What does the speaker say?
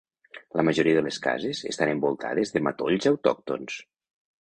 La majoria de les cases estan envoltades de matolls autòctons.